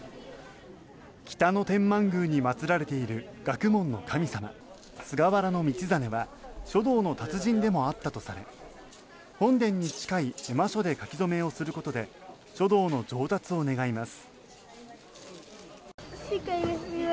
北野天満宮に祭られている学問の神様・菅原道真は書道の達人でもあったとされ本殿に近い絵馬所で書き初めをすることで書道の上達を願います。